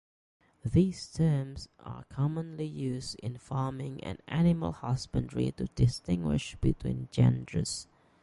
These terms are commonly used in farming and animal husbandry to distinguish between genders.